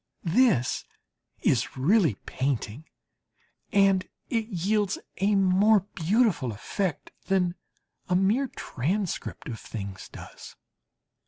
This is really painting, and it yields a more beautiful effect than a mere transcript of things does.